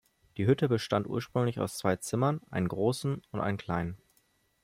Die Hütte bestand ursprünglich aus zwei Zimmern, einem großen und einem kleinen.